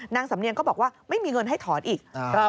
นางสำเนียงก็บอกว่าไม่มีเงินให้ถอนอีก